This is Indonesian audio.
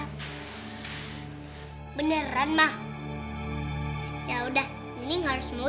nini masih hidup di rumah